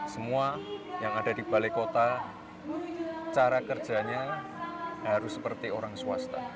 semua yang ada di balai kota cara kerjanya harus seperti orang swasta